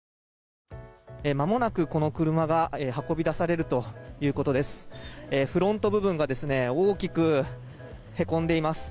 まもなく車が運び出されるということです。